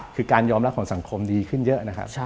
คือการยอมรับของสังคมดีขึ้นเยอะนะครับ